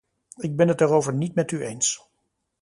Ik ben het daarover niet met u eens.